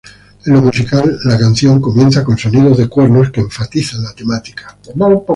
En lo musical, la canción comienza con sonidos de cuernos que enfatizan la temática.